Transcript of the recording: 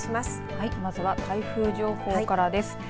はい、まずは台風情報からです。